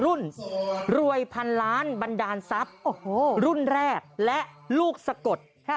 รุ่นรวยพันล้านบันดาลทรัพย์รุ่นแรกและลูกสะกด